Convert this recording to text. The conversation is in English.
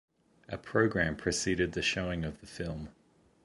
A program preceded the showing of the film.